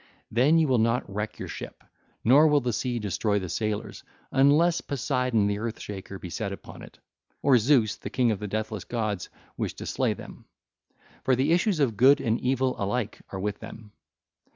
Then you will not wreck your ship, nor will the sea destroy the sailors, unless Poseidon the Earth Shaker be set upon it, or Zeus, the king of the deathless gods, wish to slay them; for the issues of good and evil alike are with them.